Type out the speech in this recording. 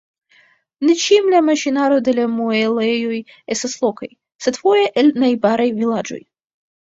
Ne ĉiam la maŝinaro de la muelejoj estas lokaj, sed foje el najbaraj vilaĝoj.